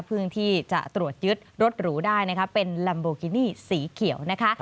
เพื่อที่จะตรวจยึดรถหรูได้นะคะเป็นลัมโบกินี่สีเขียวนะคะ